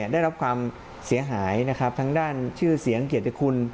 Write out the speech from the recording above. ได้รับความเสียหายนะครับทั้งด้านชื่อเสียงเกียรติคุณ